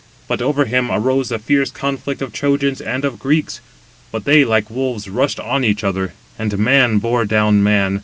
But over him arose a fierce conflict of Trojans and of Greeks. But they like wolves rushed on each other, and man bore down man.